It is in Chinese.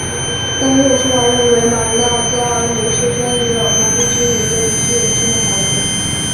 但也有说法认为玛纳加尔姆是芬里尔和不知名的女巨人生的孩子。